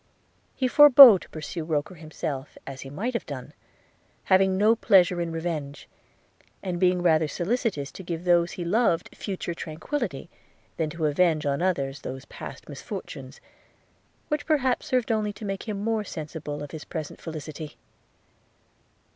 He forebore to pursue Roker himself, as he might have done; having no pleasure in revenge, and being rather solicitous to give to those he loved future tranquillity, than to avenge on others those past misfortunes, which perhaps served only to make him more sensible of his present felicity.